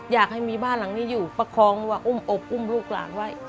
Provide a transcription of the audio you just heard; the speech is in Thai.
อยากให้มีบ้านหลังนี้อยู่ประคองว่าอุ้มอบอุ้มลูกหลานไว้